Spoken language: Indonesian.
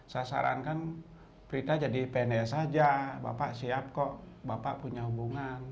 saya sarankan prita jadi pendek saja bapak siap kok bapak punya hubungan